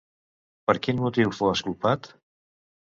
Per quin motiu fou exculpat?